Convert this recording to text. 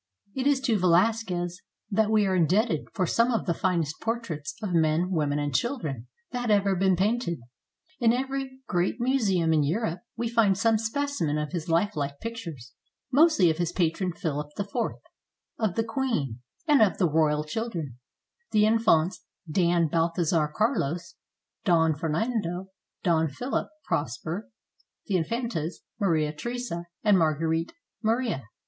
It is to Velasquez that we are indebted for some of the finest portraits of men, women, and children that have ever been painted. In every great museum in Europe we find some specimen of his lifelike pictures, mostly of his patron Philip IV, of the queen, and of the royal children, the Infantes Don Balthazar Carlos, Don Fernando, Don Philip Prosper, the Infantas Maria Theresa and Marguerite Maria.